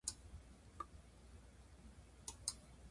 今日はいい天気だな